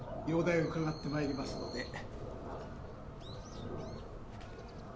容体を伺ってまいりますので。